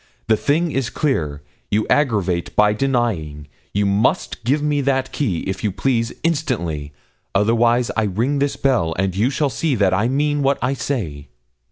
The thing is clear; you aggravate by denying; you must give me that key, if you please, instantly, otherwise I ring this bell, and you shall see that I mean what I say.'